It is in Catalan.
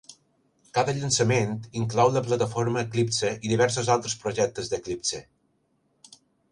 Cada llançament inclou la plataforma Eclipse i diversos altres projectes d'Eclipse.